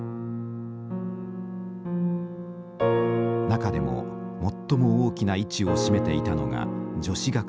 中でも最も大きな位置を占めていたのが女子学生です。